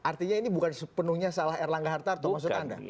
artinya ini bukan sepenuhnya salah erlangga hartarto maksud anda